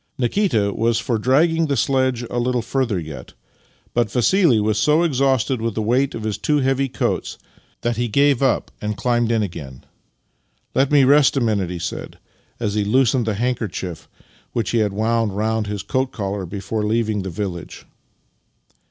Nikita was for dragging the sledge a little further yet, but Vassili was so exhausted with the weight of his two heavy coats that he gave up and climbed in again. " Let me rest a minute," he said, as he loosened the handkerchief which he had wound round his coat collar before leaving the village.